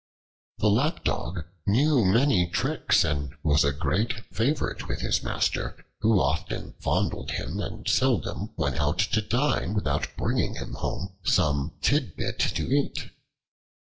The Lapdog knew many tricks and was a great favorite with his master, who often fondled him and seldom went out to dine without bringing him home some tidbit to eat.